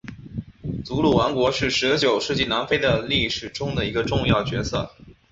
祖鲁王国是十九世纪南非的历史中的一个重要角色。